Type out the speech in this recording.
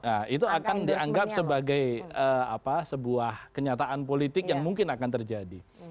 nah itu akan dianggap sebagai sebuah kenyataan politik yang mungkin akan terjadi